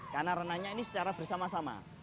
karena renangnya ini secara bersama sama